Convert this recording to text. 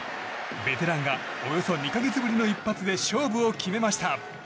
ベテランがおよそ２か月ぶりの一発で勝負を決めました。